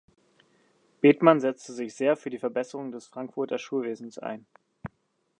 Bethmann setzte sich sehr für die Verbesserung des Frankfurter Schulwesens ein.